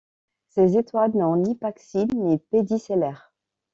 Ces étoiles n'ont ni paxille ni pédicellaire.